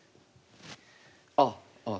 あっああ